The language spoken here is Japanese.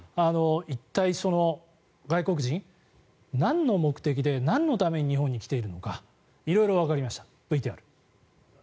一体、外国人なんの目的でなんのために日本に来ているのか色々わかりました。